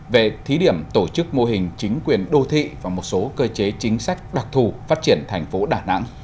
về thí điểm tổ chức mô hình chính quyền đô thị và một số cơ chế chính sách đặc thù phát triển thành phố đà nẵng